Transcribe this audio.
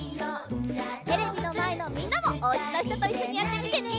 テレビのまえのみんなもおうちのひとといっしょにやってみてね！